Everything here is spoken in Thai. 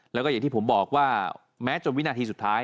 แล้วก็อย่างที่ผมบอกว่าแม้จนวินาทีสุดท้าย